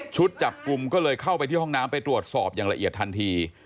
จับกลุ่มก็เลยเข้าไปที่ห้องน้ำไปตรวจสอบอย่างละเอียดทันที